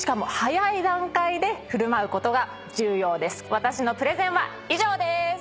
私のプレゼンは以上でーす。